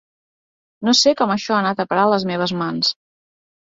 No sé com això ha anat a parar a les seves mans.